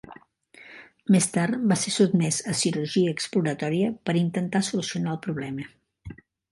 Més tard va ser sotmès a cirurgia exploratòria per intentar solucionar el problema.